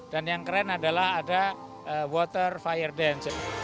dan yang keren adalah ada water fire dance